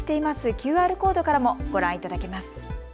ＱＲコードからもご覧いただけます。